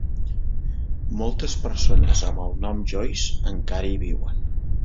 Moltes persones amb el nom Joyce encara hi viuen.